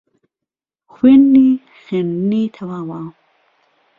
خوێندی خوێندنی تەواوە